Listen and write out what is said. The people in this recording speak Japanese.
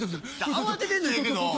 慌ててんのはええけど。